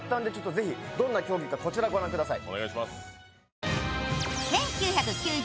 ぜひどんな競技かこちらご覧ください。